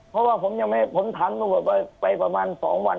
เพราะว่าผมยังไม่ผมทำแบบไปประมาณ๒วัน